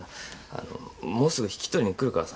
あのもうすぐ引き取りに来るからさ。